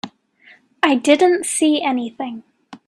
I didn't see anything.